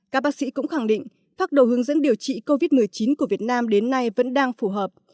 các bác sĩ cũng khẳng định pháp đồ hướng dẫn điều trị covid một mươi chín của việt nam đến nay vẫn đang phù hợp